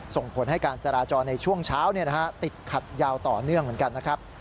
ส่งผลให้การจราจรในช่วงเช้าติดขัดยาวต่อเนื่องเหมือนกันนะครับ